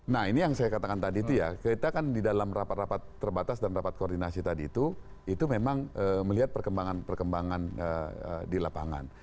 nah ini yang saya katakan tadi itu ya kita kan di dalam rapat rapat terbatas dan rapat koordinasi tadi itu itu memang melihat perkembangan perkembangan di lapangan